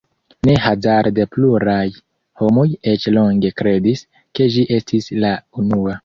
Ne hazarde pluraj homoj eĉ longe kredis, ke ĝi estis la unua.